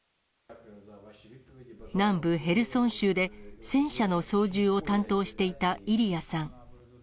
南部ヘルソン州で、戦車の操縦を担当していたイリヤさん。